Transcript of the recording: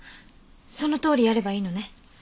そのとおりやればいいのね？